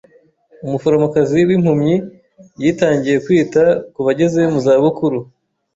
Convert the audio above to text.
Umuforomokazi w'impumyi yitangiye kwita ku bageze mu za bukuru.